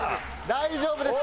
大丈夫です。